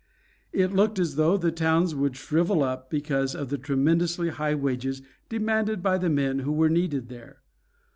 It looked as though the towns would shrivel up, because of the tremendously high wages demanded by the men who were needed there.